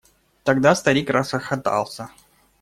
Тогда старик расхохотался.